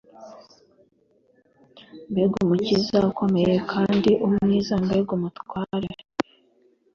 Mbega umukiza ukomeye kandi mwiza mbega umutware